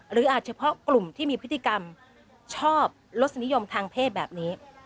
อาจเฉพาะกลุ่มที่มีพฤติกรรมชอบลสนิยมทางเพศแบบนี้